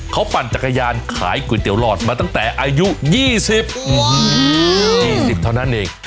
เขาปั่นจักรยานขายก๋วยเตี๋ยหลอดมาตั้งแต่อายุ๒๐๒๐เท่านั้นเอง